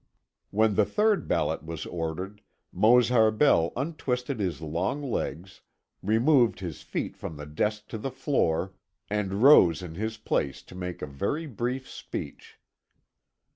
When the third ballot was ordered, Mose Harbell untwisted his long legs, removed his feet from the desk to the floor, and rose in his place to make a very brief speech.